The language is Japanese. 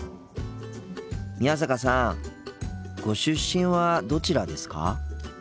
宮坂さんご出身はどちらですか？